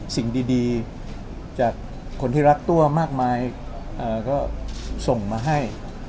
สิ่งดีจากคนที่รักตัวมากมายก็ส่งมาให้